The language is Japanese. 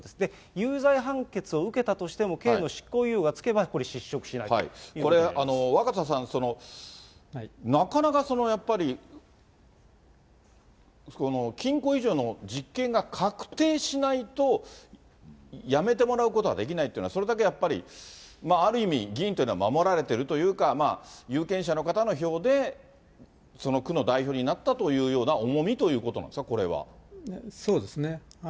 有罪判決を受けたとしても、刑の執行猶予が付けば、これ、これ、若狭さん、なかなかやっぱりこの禁錮以上の実刑が確定しないと辞めてもらうことはできないっていうのは、それだけやっぱり、ある意味、議員というのは守られてるというか、有権者の方の票で、その区の代表になったというような重みということなんですか？こそうですね。